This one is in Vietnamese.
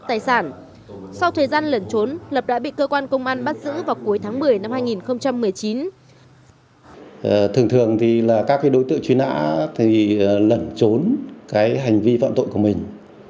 truy nã thì lẩn trốn cái hành vi phạm tội của mình